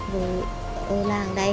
rồi ở làng đấy